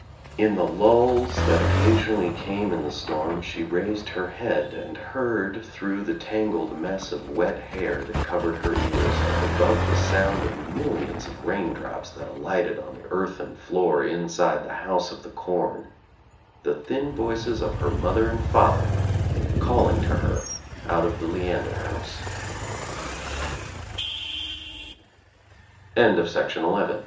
In the lulls that l6o THE TRIUMPH OF THE EGG occasionally came in the storm she raised her head and heard, through the tangled mass of wet hair that covered her ears and above the sound of millions of rain drops that alighted on the earthen floor inside the house of the com, the thin voices of her mother and father calling to her out of the Leander